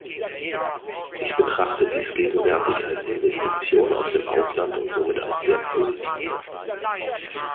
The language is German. Ich betrachte dies gegenwärtig als Investition aus dem Ausland und somit als sehr positiv.